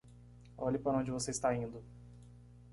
Olhe para onde você está indo!